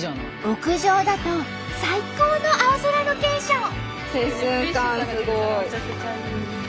屋上だと最高の青空ロケーション。